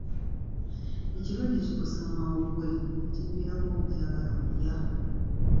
Ekirwadde kikosa amawuggwe ne kiviirako obutaagala kulya.